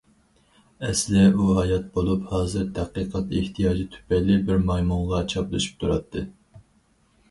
ئەسلى ئۇ ھايات بولۇپ، ھازىر تەتقىقات ئېھتىياجى تۈپەيلى بىر مايمۇنغا چاپلىشىپ تۇراتتى.